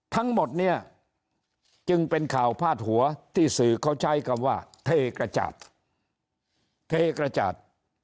ทั้งหมดเนี่ยจึงเป็นข่าวพาดหัวที่สื่อเขาใช้คำว่าเทกระจาดเทกระจาด